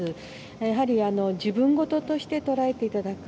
やはり自分事として捉えていただく。